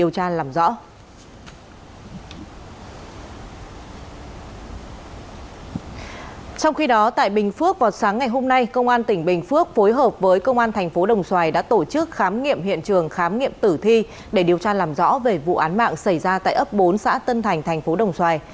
trong khi đó tại bình phước vào sáng ngày hôm nay công an tỉnh bình phước phối hợp với công an thành phố đồng xoài đã tổ chức khám nghiệm hiện trường khám nghiệm tử thi để điều tra làm rõ về vụ án mạng xảy ra tại ấp bốn xã tân thành thành phố đồng xoài